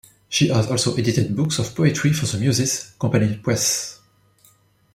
She has also edited books of poetry for the Muses' Company Press.